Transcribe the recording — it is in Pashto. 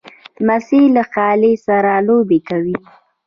لمسی له خالې سره لوبې کوي.